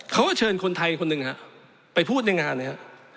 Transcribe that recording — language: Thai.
เขาก็เชิญคนไทยคนหนึ่งฮะไปพูดในงานนะครับ